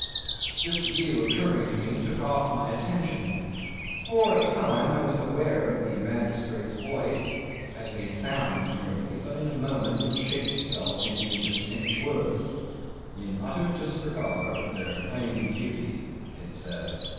This view occurring to me took off my attention. For a time I was aware of the magistrate's voice as a sound merely; but in a moment it shaped itself into distinct words ... "in utter disregard of their plain duty," it said.